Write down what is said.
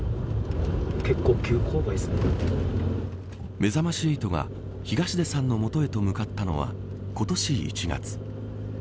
めざまし８が東出さんの元へと向かったのは今年１月。